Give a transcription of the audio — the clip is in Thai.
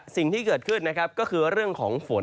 สิ่งที่เกิดขึ้นนะครับก็คือเรื่องของฝน